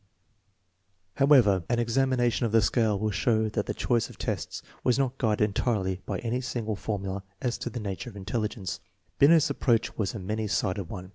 4C THE MEASUREMENT OF INTELLIGENCE However, an examination of the scale will show that the choice of tests was not guided entirely by any single for mula as to the nature of intelligences Hinet's approach was a many sided one.